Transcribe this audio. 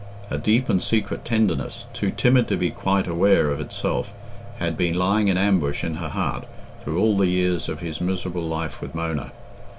A deep and secret tenderness, too timid to be quite aware of itself, had been lying in ambush in her heart through all the years of his miserable life with Mona.